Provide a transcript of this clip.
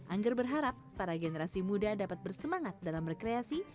angger berharap para generasi muda dapat bersemangat dalam berkreasi